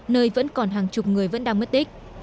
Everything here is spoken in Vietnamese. nơi vẫn còn hàng chục người vẫn đang mất tích